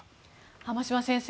濱島先生